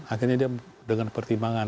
akhirnya dia dengan pertimbangan